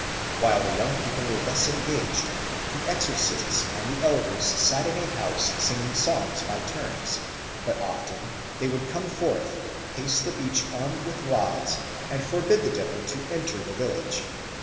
While the young people were thus engaged, the exorcists and the elders sat in a house singing songs by turns; but often they would come forth, pace the beach armed with rods, and forbid the devil to enter the village.